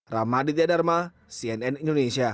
ramaditya dharma cnn indonesia